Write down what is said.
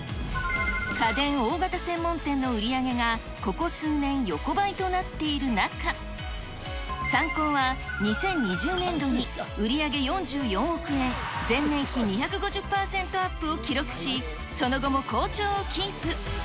家電大型専門店の売り上げがここ数年、横ばいとなっている中、サンコーは２０２０年度に売り上げ４４億円、前年比２５０％アップを記録し、その後も好調をキープ。